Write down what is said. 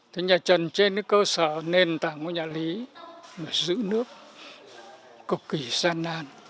thế nhà trần trên cái cơ sở nền tảng của nhà lý mà giữ nước cực kỳ gian nan